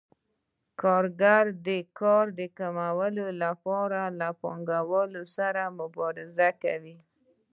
کارګران د کار د کمولو لپاره له پانګوالو سره مبارزه کوي